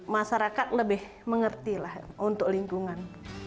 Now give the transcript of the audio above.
masyarakat lebih mengerti lah untuk lingkungan